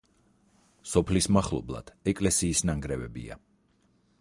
სოფლის მახლობლად ეკლესიის ნანგრევებია.